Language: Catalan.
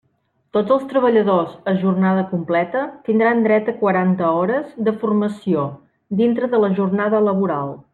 Tots els treballadors a jornada completa tindran dret a quaranta hores de formació dintre de la jornada laboral.